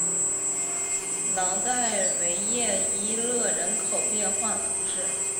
朗代维耶伊勒人口变化图示